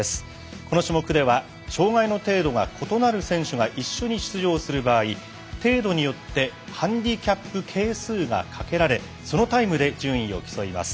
この種目では障がいの程度が異なる選手が一緒に出場する場合程度によってハンディキャップ係数がかけられそのタイムで順位を競います。